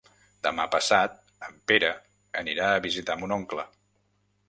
Demà passat en Pere anirà a visitar mon oncle.